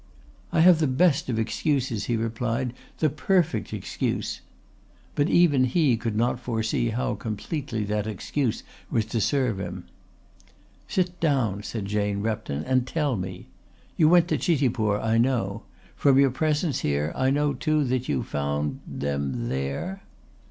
"I have the best of excuses," he replied, "the perfect excuse." But even he could not foresee how completely that excuse was to serve him. "Sit down," said Jane Repton, "and tell me. You went to Chitipur, I know. From your presence here I know too that you found them there."